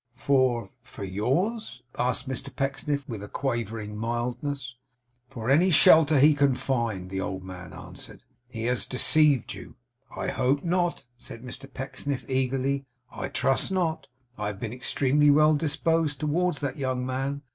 'For for yours?' asked Mr Pecksniff, with a quavering mildness. 'For any shelter he can find,' the old man answered. 'He has deceived you.' 'I hope not' said Mr Pecksniff, eagerly. 'I trust not. I have been extremely well disposed towards that young man.